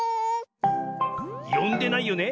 よんでないよね。